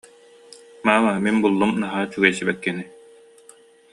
Маама, мин буллум, наһаа үчүгэй сибэккини